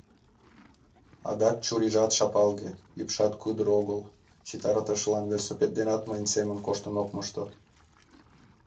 Адак чурийжат шапалге, ӱпшат кудыр огыл, ситартышлан велосипед денат мыйын семын коштын ок мошто.